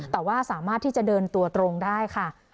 แต่ว่าสามารถที่จะเดินตัวตรงได้ค่ะ